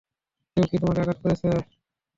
কেউ কী তোমাকে আঘাত করেছে?